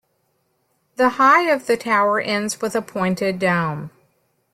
The high of the tower ends with a pointed dome.